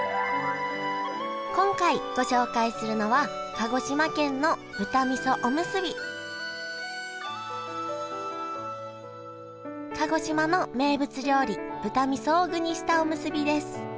今回ご紹介するのは鹿児島の名物料理豚味噌を具にしたおむすびです。